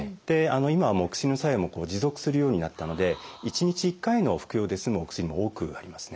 今はもう薬の作用も持続するようになったので１日１回の服用で済むお薬も多くありますね。